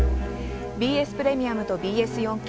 ＢＳプレミアムとＢＳ４Ｋ